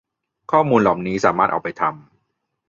ข้อมูลเหล่านี้สามารถเอาไปทำ